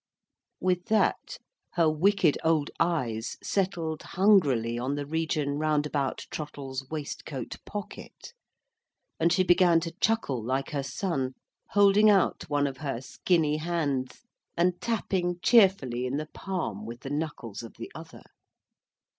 With that, her wicked old eyes settled hungrily on the region round about Trottle's waistcoat pocket, and she began to chuckle like her son, holding out one of her skinny hands, and tapping cheerfully in the palm with the knuckles of the other.